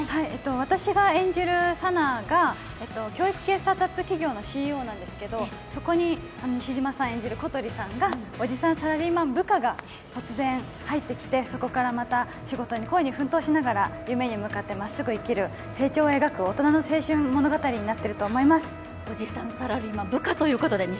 私が演じる佐奈が教育系スタートアップ企業のＣＥＯなんですけど、そこに西島さん演じる小鳥さんがおじさんサラリーマン部下が突然入ってきて、そこからまた仕事に恋に奮闘しながら夢に向かってまっすぐ生きる成長を描く大人の青春物語になっていると思います。